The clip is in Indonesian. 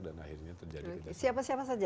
dan akhirnya terjadi siapa siapa saja